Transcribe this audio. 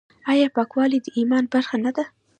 آیا پاکوالی د ایمان برخه نه ده؟